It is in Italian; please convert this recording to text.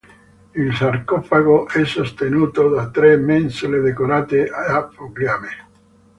Il sarcofago è sostenuto da tre mensole decorate a fogliame.